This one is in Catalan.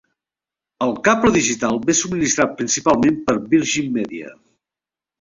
El cable digital ve subministrat principalment per Virgin Media.